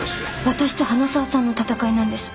私と花澤さんの戦いなんです。